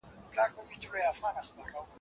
نه له پلاره پاتېده پاچهي زوى ته